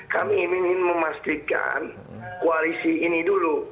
kami ingin memastikan koalisi ini dulu